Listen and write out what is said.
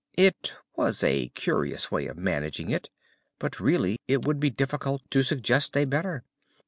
It was a curious way of managing it, but, really, it would be difficult to suggest a better.